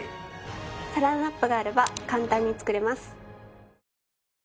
サランラップがあれば簡単に作れます。